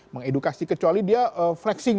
mengedukasi kecuali dia flexing